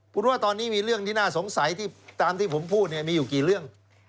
คุณว่าตอนนี้มีเรื่องน่าสงสัยตามที่ผมพูดมีอยู่กี่เรื่อง